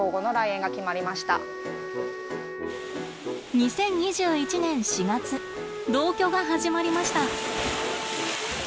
２０２１年４月同居が始まりました。